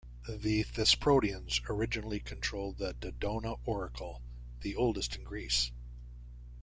The Thesprotians originally controlled the Dodona oracle, the oldest in Greece.